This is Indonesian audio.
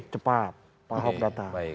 cepat pak hock data